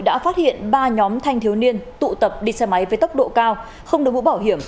đã phát hiện ba nhóm thanh thiếu niên tụ tập đi xe máy với tốc độ cao không đồng hữu bảo hiểm